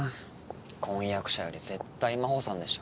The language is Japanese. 婚約者より絶対真帆さんでしょ